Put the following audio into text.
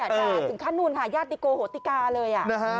ถึงขั้นนู่นค่ะญาติโกโหติกาเลย